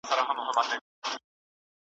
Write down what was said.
د مطالعې فرهنګ وده د علم منبع ده.